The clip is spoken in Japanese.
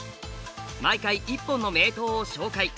毎回１本の名刀を紹介。